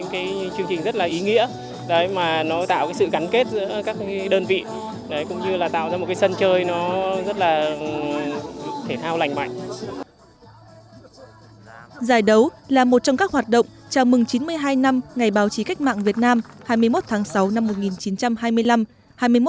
giải đấu là một trong các hoạt động chào mừng chín mươi hai năm ngày báo chí cách mạng việt nam hai mươi một tháng sáu năm một nghìn chín trăm hai mươi năm